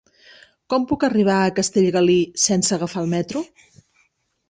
Com puc arribar a Castellgalí sense agafar el metro?